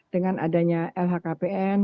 dengan adanya lhkpn